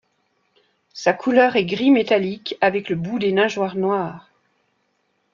Sa couleur est gris métallique avec le bout des nageoires noir.